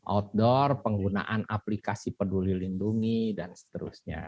outdoor penggunaan aplikasi peduli lindungi dan seterusnya